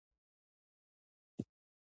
احمد پر کور پوخ پرېوت.